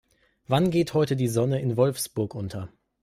Wann geht heute die Sonne in Wolfsburg unter?